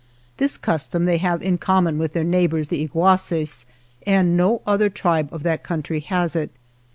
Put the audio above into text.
This custom they have in com mon with their neighbors, the Iguaces, and no other tribe of that country has it.